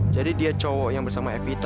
jadi dia cowok yang bersama evita